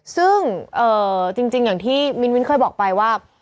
ซึ่งจริงอย่างที่มิ้นเคยบอกไปว่า